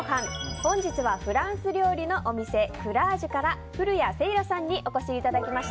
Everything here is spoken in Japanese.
本日はフランス料理のお店クラージュから古屋聖良さんにお越しいただきました。